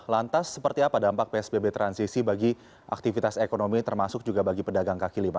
lantas seperti apa dampak psbb transisi bagi aktivitas ekonomi termasuk juga bagi pedagang kaki lima